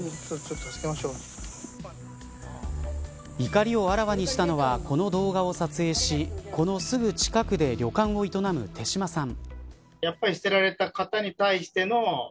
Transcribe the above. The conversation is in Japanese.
怒りをあらわにしたのはこの動画を撮影しこのすぐ近くで旅館を営む手島さん。